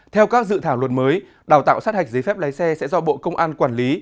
theo các dự thảo luật mới đào tạo sát hạch giấy phép lái xe sẽ do bộ công an quản lý